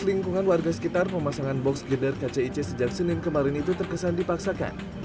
lingkungan warga sekitar pemasangan box girder kcic sejak senin kemarin itu terkesan dipaksakan